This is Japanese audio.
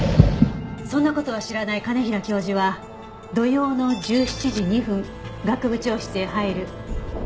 そんな事は知らない兼平教授は土曜の１７時２分学部長室へ入る。